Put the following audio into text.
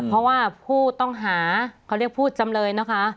เพราะว่าผู้ต้องหาเขาเรียกผู้จำเลยนะคะ